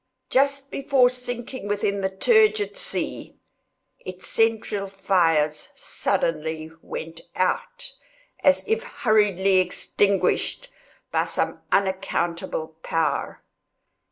Just before sinking within the turgid sea, its central fires suddenly went out, as if hurriedly extinguished by some unaccountable power.